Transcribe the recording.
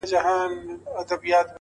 زه درته دعا سهار ماښام كوم ـ